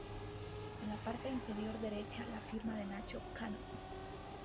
En la parte inferior derecha la firma de Nacho Canut.